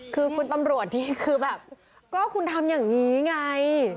คือคุณตำรวจนี่คือแบบก็คุณทำอย่างนี้ไง